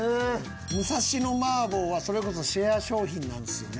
武蔵野麻婆はそれこそシェア商品なんですよね。